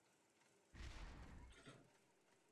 Předpona bio zde znamená obě tyto charakteristiky.